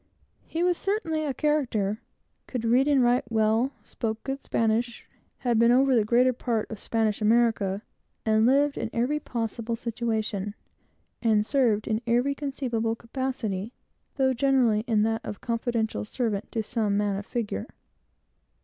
He was certainly a character; could read and write extremely well; spoke good Spanish; had been all over Spanish America, and lived in every possible situation, and served in every conceivable capacity, though generally in that of confidential servant to some man of figure.